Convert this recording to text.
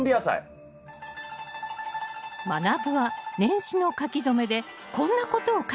まなぶは年始の書き初めでこんなことを書いていたわね